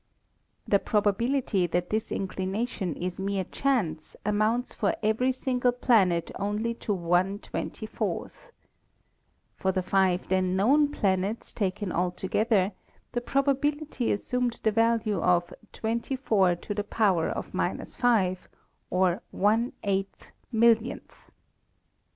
The probability that this inclination is mere chance amounts for every single planet only to one twenty fourth. For the five then known planets taken alto gether, the probability assumed the value of 24 B , or one 307 308 ASTRONOMY eight millionth.